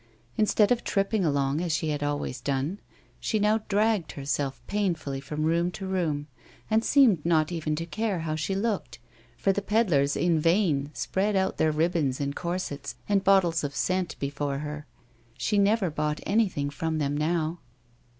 Instead of tripping along as she had always done, she now dragged herself pain fully from room to room, and seemed not even to care how she looked, for the pedlars in vain spread out their ribbons, and corsets and bottles of scent before her, she never bought anything from them now.